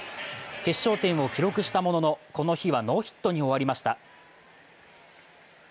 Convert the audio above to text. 決勝点を記録したものの、この日はノーヒットに終わりました。